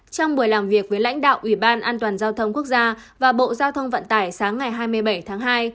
trong buổi làm việc với lãnh đạo ủy ban an toàn giao thông quốc gia và bộ giao thông vận tải sáng ngày hai mươi bảy tháng hai